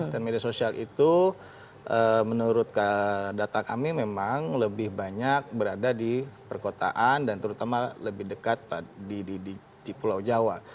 dan media sosial itu menurut data kami memang lebih banyak berada di perkotaan dan terutama lebih dekat di pulau jawa